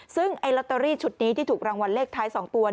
ซึ่งไอ้ลอตเตอรี่ชุดนี้ที่ถูกรางวัลเลขท้าย๒ตัว